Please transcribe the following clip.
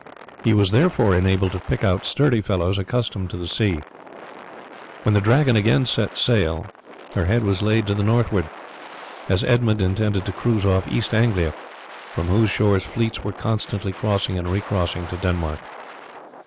He was therefore enabled to pick out sturdy fellows accustomed to the sea. When the Dragon again set sail her head was laid to the northward, as Edmund intended to cruise off East Anglia, from whose shores fleets were constantly crossing and recrossing to Denmark.